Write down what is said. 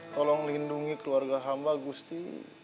tolong lindungi keluarga hama gusti